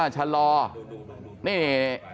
ชะลอนี่